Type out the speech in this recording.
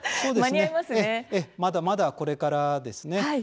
まだまだこれからですね。